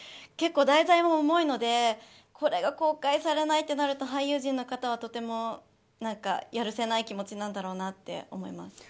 結構、題材も重いのでこれが公開されないとなると俳優陣の方はとてもやるせない気持ちなんだろうなって思います。